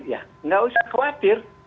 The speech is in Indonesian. ya nggak usah khawatir